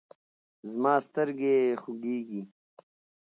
زما سترګې خوږیږي